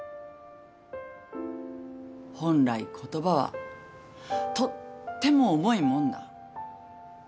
本来言葉はとっても重いもんだ。